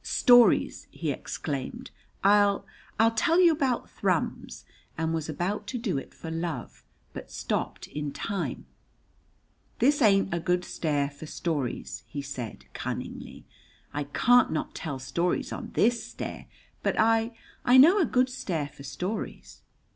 "Stories!" he exclaimed, "I'll I'll tell you about Thrums," and was about to do it for love, but stopped in time. "This ain't a good stair for stories," he said, cunningly. "I can't not tell stories on this stair, but I I know a good stair for stories."